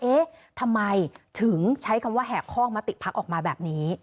เอ๊ะทำไมถึงใช้คำว่าแหกข้องมติพักออกมาแบบนี้